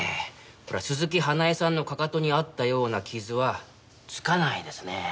これは鈴木花絵さんのかかとにあったような傷は付かないですね。